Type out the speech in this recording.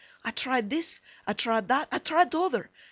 I tried this, I tried that, I tried t'other.